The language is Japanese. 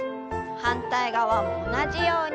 反対側も同じように。